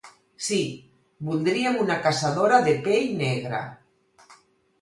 Sí, voldríem una caçadora de pell negra.